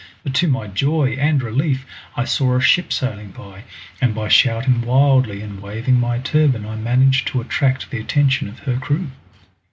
But to my joy and relief I saw a ship sailing by, and by shouting wildly and waving my turban I managed to attract the attention of her crew.